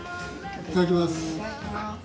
いただきます。